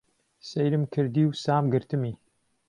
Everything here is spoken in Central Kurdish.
سەیرم کردی و سام گرتمی.